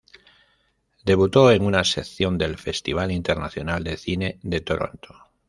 Debutó en una sección del Festival Internacional de Cine de Toronto.